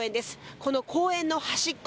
この公園の端っこ